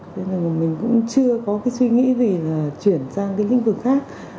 thế nên là mình cũng chưa có cái suy nghĩ gì là chuyển sang cái lĩnh vực khác